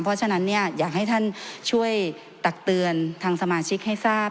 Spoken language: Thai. เพราะฉะนั้นอยากให้ท่านช่วยตักเตือนทางสมาชิกให้ทราบ